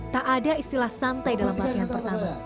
tak ada istilah santai dalam latihan pertama